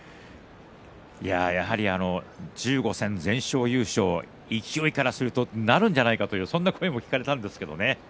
やはり１５戦全勝優勝勢いからするとなるのではないかという声も聞かれたんですけどね